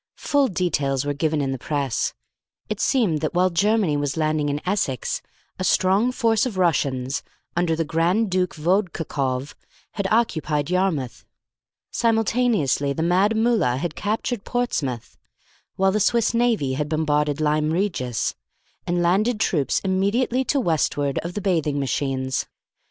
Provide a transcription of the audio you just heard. Full details were given in the Press. It seemed that while Germany was landing in Essex, a strong force of Russians, under the Grand Duke Vodkakoff, had occupied Yarmouth. Simultaneously the Mad Mullah had captured Portsmouth; while the Swiss navy had bombarded Lyme Regis, and landed troops immediately to westward of the bathing machines.